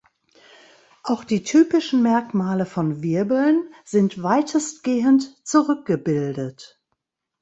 Auch die typischen Merkmale von Wirbeln sind weitestgehend zurückgebildet.